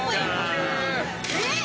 えっ！